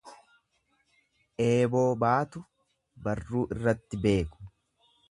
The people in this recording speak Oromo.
Eeboo baatu barruu irratti beeku.